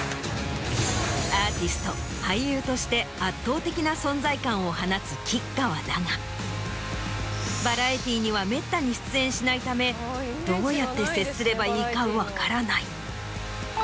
アーティスト俳優として圧倒的な存在感を放つ吉川だがバラエティーにはめったに出演しないためどうやって接すればいいか分からない。